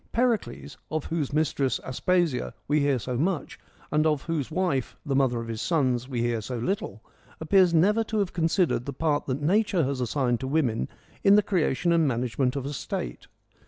Pericles, of whose mistress, Aspasia, we hear so much, and of whose wife, the mother of his sons, we hear so little, appears never to have considered the part that nature has assigned to women in the creation and manage ment of a state.